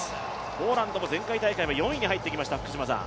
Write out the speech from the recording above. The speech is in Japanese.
ポーランドも前回大会は４位に入ってきました。